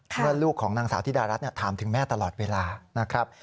ลูกของนางสาวธิดารัฐถามถึงแม่ตลอดเวลานะครับ